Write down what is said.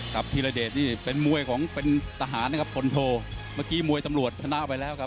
ครับทีราเดชนี่เป็นมวยของเป็นทหารนะครับคนโทเมื่อกี้มวยสำหรับทำลวชทัน่าไปแล้วครับ